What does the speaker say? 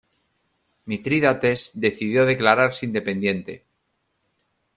Mitrídates decidió declararse independiente.